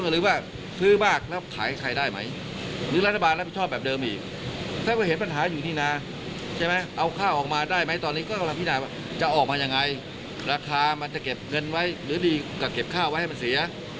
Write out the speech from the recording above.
ราคามันจะเก็บเงินไว้หรือดีกว่าเก็บข้าวไว้ให้มันเสีย